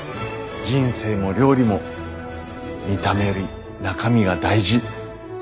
人生も料理も見た目より中身が大事。